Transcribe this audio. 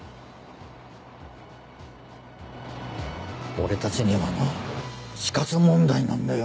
俺たちにはな死活問題なんだよ。